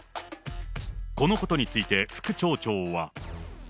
このことについて、副町長は。